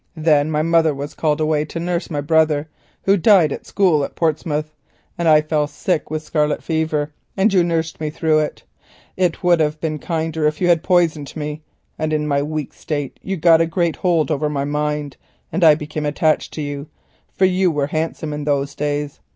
Then my mother was called away to nurse my brother who died at school at Portsmouth, and I fell sick with scarlet fever and you nursed me through it—it would have been kinder if you had poisoned me, and in my weak state you got a great hold over my mind, and I became attached to you, for you were handsome in those days.